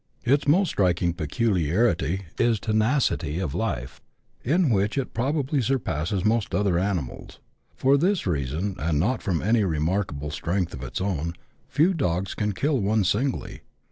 Its most striking pecu liarity is tenacity of life, in which it probably surpasses most other animals. For this reason, and not from any remarkable strength of its own, few dogs can kill one singly.